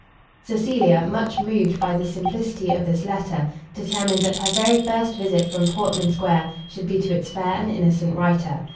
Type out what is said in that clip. Cecilia, much moved by the simplicity of this letter, determined that her very first visit from Portman square should be to its fair and innocent writer.